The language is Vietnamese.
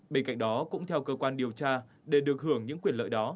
bên cạnh đó cũng theo cơ quan điều tra để được hưởng những quyền lợi đó